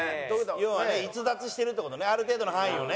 要はね逸脱してるって事ねある程度の範囲をね。